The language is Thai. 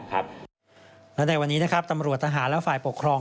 ในวันนี้ตำรวจทหารและฝ่ายปกครอง